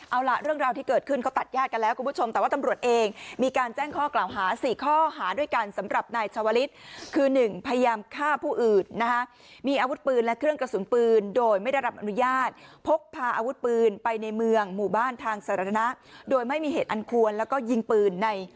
เอาล่ะเรื่องราวที่เกิดขึ้นเขาตัดญาติกันแล้วคุณผู้ชมแต่ว่าตำรวจเองมีการแจ้งข้อกล่าวหา๔ข้อหาด้วยกันสำหรับนายชาวลิศคือ๑พยายามฆ่าผู้อื่นนะคะมีอาวุธปืนและเครื่องกระสุนปืนโดยไม่ได้รับอนุญาตพกพาอาวุธปืนไปในเมืองหมู่บ้านทางสาธารณะโดยไม่มีเหตุอันควรแล้วก็ยิงปืนใน